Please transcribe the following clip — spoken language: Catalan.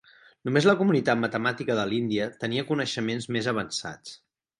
Només la comunitat matemàtica de l'Índia tenia coneixements més avançats.